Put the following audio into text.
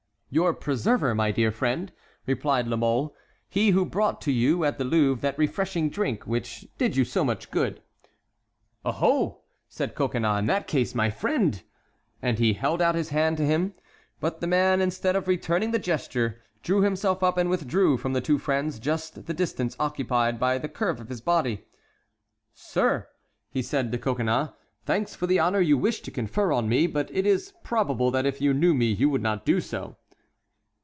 "Your preserver, my dear friend," replied La Mole; "he who brought to you at the Louvre that refreshing drink which did you so much good." "Oho!" said Coconnas; "in that case, my friend"— And he held out his hand to him. But the man, instead of returning the gesture, drew himself up and withdrew from the two friends just the distance occupied by the curve of his body. "Sir!" he said to Coconnas, "thanks for the honor you wish to confer on me, but it is probable that if you knew me you would not do so."